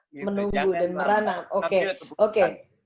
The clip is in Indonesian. menunggu dan merana oke oke